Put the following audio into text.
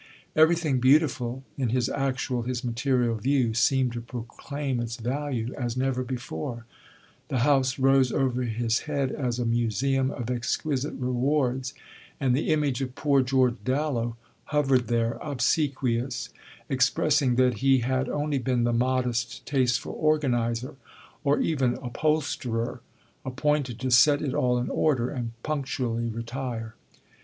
Everything beautiful in his actual, his material view seemed to proclaim its value as never before; the house rose over his head as a museum of exquisite rewards, and the image of poor George Dallow hovered there obsequious, expressing that he had only been the modest, tasteful organiser, or even upholsterer, appointed to set it all in order and punctually retire.